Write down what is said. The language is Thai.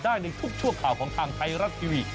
ในทุกชั่วข่าวของทางไทยรัฐทีวี